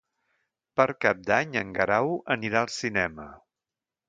Per Cap d'Any en Guerau anirà al cinema.